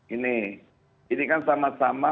ini ini kan sama sama